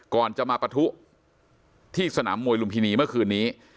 ก่อนจะมาปะทุที่สนามมวยลุมพินีเมื่อคืนนี้